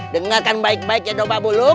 dengarkan baik baik ya domba buluk